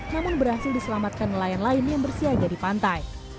namun berhasil diselamatkan nelayan lain yang bersiaga di pantai